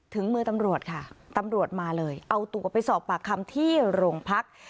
ถึงมือตำรวจค่ะตำรวจมาเลยเอาตัวไปสอบปากคำที่โรงพัก